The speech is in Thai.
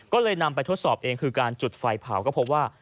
ก็เลยนำไปทดสอบเองคือการจุดไฟเผาก็พบว่า